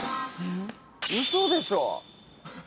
ウソでしょ。